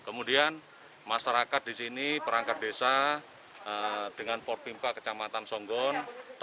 kemudian masyarakat di sini perangkat desa dengan por pimka kecamatan songgon